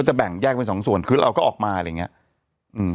จะแบ่งแยกเป็นสองส่วนคือเราก็ออกมาอะไรอย่างเงี้ยอืม